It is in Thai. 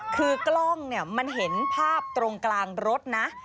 คือกล้องเนี่ยมันเห็นภาพตรงกลางรถนะ